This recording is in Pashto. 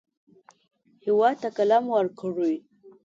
هېواد ته قلم ورکړئ